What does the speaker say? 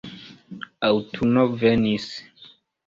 Aŭtuno venis.